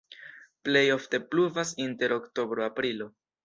Plej ofte pluvas inter oktobro-aprilo.